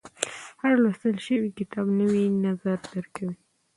• هر لوستل شوی کتاب، نوی نظر درکوي.